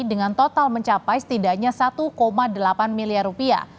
dengan total mencapai setidaknya satu delapan miliar rupiah